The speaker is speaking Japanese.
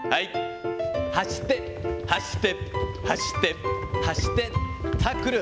走って、走って、走って、走って、タックル。